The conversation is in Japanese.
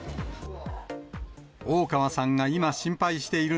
大川さんが今、心配している